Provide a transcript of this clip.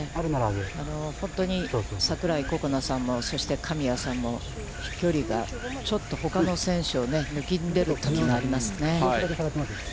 本当に、櫻井心那さんも、そして神谷さんも、飛距離がちょっとほかの選手をぬきんでるときがありますね。